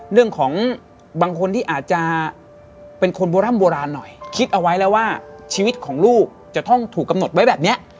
เรื่องของบางคนที่อาจจะเป็นคนโบร่ำโบราณหน่อยคิดเอาไว้แล้วว่าชีวิตของลูกจะต้องถูกกำหนดไว้แบบนี้